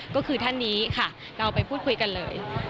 ก็คือท่านนี้ค่ะเราไปพูดคุยกันเลย